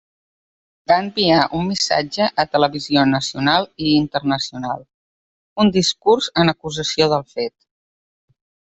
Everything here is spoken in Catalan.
Va enviar un missatge a televisió nacional i internacional, un discurs en acusació del fet.